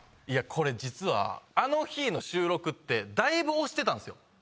実はあの日の収録ってだいぶ押してたんですよ。